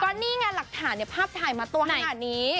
ก็นี่ไงหลักฐานภาพถ่ายมาตัวขนาดนี้